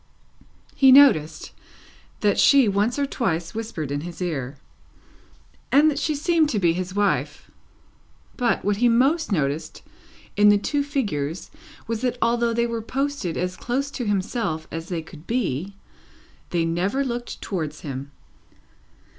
He noticed that she once or twice whispered in his ear, and that she seemed to be his wife; but, what he most noticed in the two figures was, that although they were posted as close to himself as they could be, they never looked towards him.